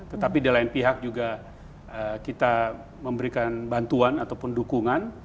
tetapi di lain pihak juga kita memberikan bantuan ataupun dukungan